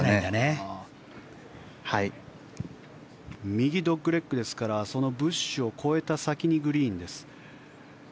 右ドッグレッグですからブッシュを越えた先にグリーンです。